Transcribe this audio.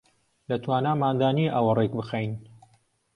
لە تواناماندا نییە ئەوە ڕێک بخەین